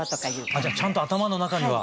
あっじゃちゃんと頭の中には。